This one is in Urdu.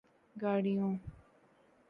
گاڑیوں